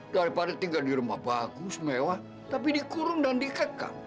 daripada tinggal di rumah bagus mewah tapi dikurung dan dikekang